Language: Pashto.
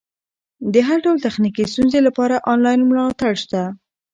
د هر ډول تخنیکي ستونزې لپاره انلاین ملاتړ شته.